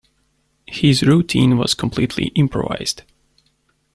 His routine was completely improvised.